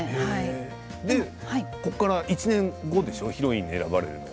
ここから１年後でしょ、ヒロインに選ばれるの。